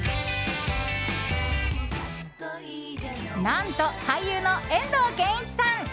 何と、俳優の遠藤憲一さん。